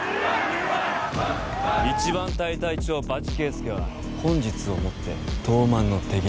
「壱番隊隊長場地圭介は本日をもって東卍の敵だ」